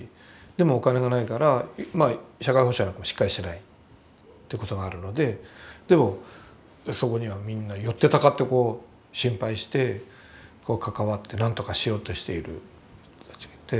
でもお金がないから社会保障なんかしっかりしてないということがあるのででもそこにはみんな寄ってたかってこう心配してこう関わってなんとかしようとしている人たちがいて。